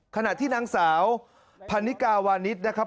ขณะที่นางสาวพันนิกาวานิสนะครับ